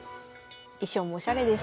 衣装もおしゃれです。